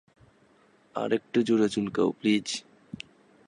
আরেকটু জোরে চুলকাও, প্লিজ।